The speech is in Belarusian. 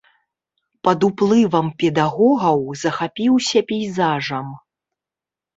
Пад уплывам педагогаў захапіўся пейзажам.